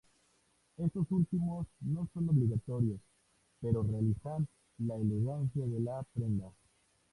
Estos últimos no son obligatorios, pero realzan la elegancia de la prenda.